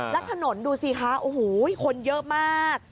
แล้วถนนดูสิคะโอ้โหคนเยอะมาก